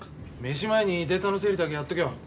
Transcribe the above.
飯前にデータの整理だけやっておけよ。